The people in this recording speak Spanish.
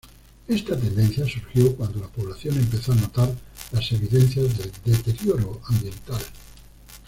Esta tendencia surgió cuando la población empezó a notar las evidencias del deterioro ambiental.